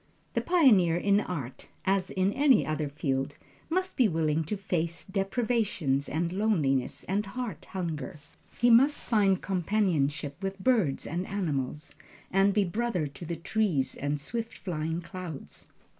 The pioneer in art, as in any other field, must be willing to face deprivations and loneliness and heart hunger. He must find companionship with birds and animals, and be brother to the trees and swift flying clouds.